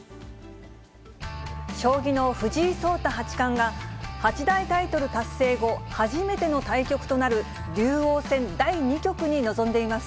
将棋の藤井聡太八冠が、八大タイトル達成後、初めての対局となる竜王戦第２局に臨んでいます。